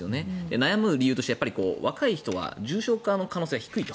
悩む理由としては若い人は重症化の可能性が低いと。